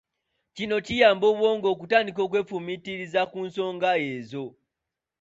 Kino kiyamba obwongo okutandika okwefumiitiriza ku nsonga ezo.